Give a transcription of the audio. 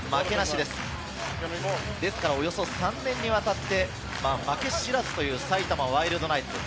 ですから、およそ３年にわたって負け知らずという埼玉ワイルドナイツ。